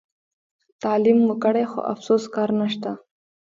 تعلیم مو کړي خو افسوس کار نشته.